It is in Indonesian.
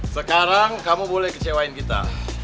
sekarang kamu boleh kecewain kita